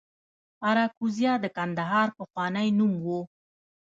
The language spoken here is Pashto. اراکوزیا د کندهار پخوانی نوم و